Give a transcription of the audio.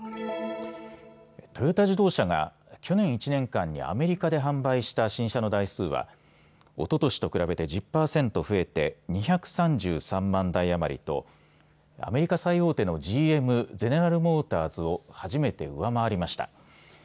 トヨタ自動車が去年１年間にアメリカで販売した新車の台数はおととしと比べて１０％増えて２３３万台余りとアメリカ最大手のＧＭ・ゼネラル・モーターズを初めて上回りました。